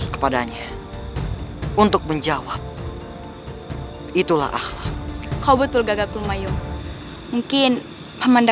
kau tidak akan bisa mahu